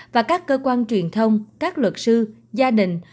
và các cơ quan truyền thông các luật sư gia đình